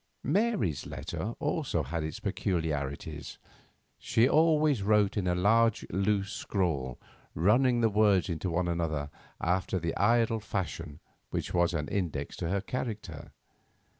Mary's letter also had its peculiarities. She always wrote in a large, loose scrawl, running the words into one another after the idle fashion which was an index to her character.